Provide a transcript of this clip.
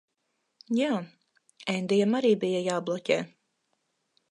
Jā. Endijam arī bija jābloķē.